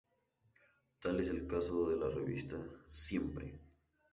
Tal es el caso de la revista "¡Siempre!